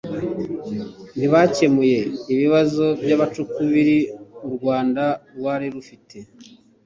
Ntibakemuye ibibazo by'amacakubiri u Rwanda rwari rufite